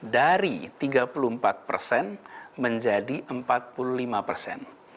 dari tiga puluh empat persen menjadi empat puluh lima persen